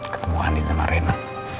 ketemu adi sama reina